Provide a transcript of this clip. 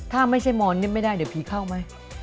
ถ้าไม่ใช่มอนนี่ไม่ได้เดี๋ยวผีเข้าไหม